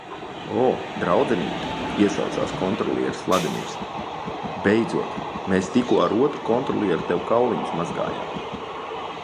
"O, draudzenīte," iesaucās kontrolieris Vladimirs. Beidzot, mēs tikko ar otru kontrolieri tev kauliņus mazgājām.